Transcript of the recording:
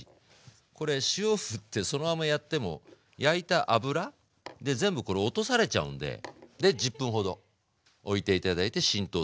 これ塩ふってそのままやっても焼いた油で全部これ落とされちゃうんで１０分ほどおいて頂いて浸透させる。